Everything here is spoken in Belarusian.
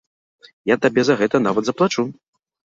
Я табе за гэта нават заплачу.